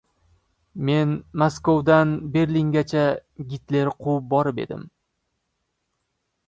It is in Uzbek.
Men Maskovdan Berlingacha Gitler quvib borib edim!